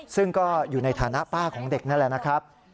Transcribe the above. ซึ่งก็อยู่ในฐานะป้าของเด็กนั่นแหละนะครับ